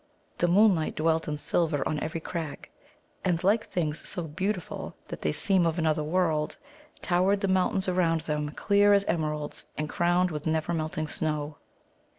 The moonlight dwelt in silver on every crag. And, like things so beautiful that they seem of another world, towered the mountains around them, clear as emeralds, and crowned with never melting snow.